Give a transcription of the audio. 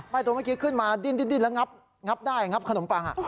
ตัวเมื่อกี้ขึ้นมาดิ้นแล้วงับได้งับขนมปัง